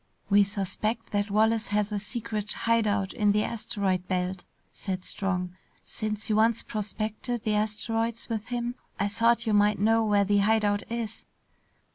"We suspect that Wallace has a secret hide out in the asteroid belt," said Strong. "Since you once prospected the asteroids with him I thought you might know where the hide out is."